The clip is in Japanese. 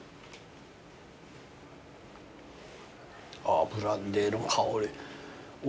あぁブランデーの香り。